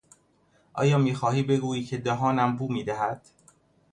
آیا میخواهی بگویی که دهانم بو میدهد؟